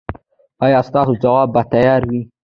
ایا ستاسو ځواب به تیار وي؟